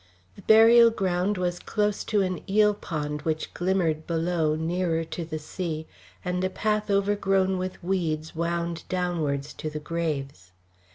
The burial ground was close to an eel pond, which glimmered below, nearer to the sea, and a path overgrown with weeds wound downwards to the graves.